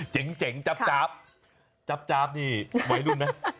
เจ๋งจับจับนี่ไว้รู้ไหม